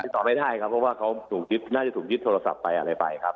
ต่อไม่ได้ครับเพราะว่าเขาน่าจะถูกยึดโทรศัพท์ไปอะไรไปครับ